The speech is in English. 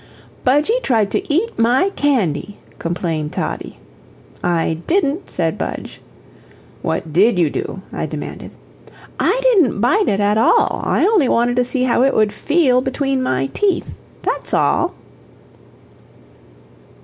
"Budgie tried to eat my candy," complained Toddie. "I didn't," said Budge. "What DID you do?" I demanded. "I didn't bite it at all I only wanted to see how it would feel between my teeth that's all."